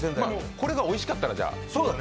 これがおいしかったら。